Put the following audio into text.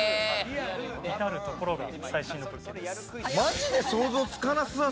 いたるところが最新の物件です。